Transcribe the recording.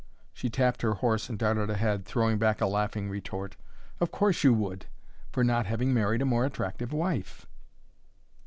She tapped her horse and darted ahead, throwing back a laughing retort: "Of course you would, for not having married a more attractive wife!"